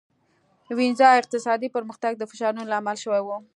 وینز اقتصادي پرمختګ د فشارونو لامل شوی و.